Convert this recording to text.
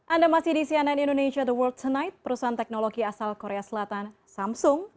anda masih di cnn indonesia the world tonight perusahaan teknologi asal korea selatan samsung